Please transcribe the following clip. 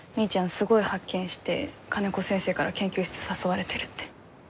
すごい発見して金子先生から研究室誘われてるって。